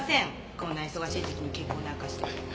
こんな忙しい時期に結婚なんかして。